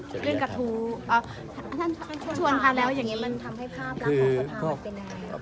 ถ้าเจ้าแบบนี้มันทำให้ภาพราก่อนไปเป็นอื่นไหม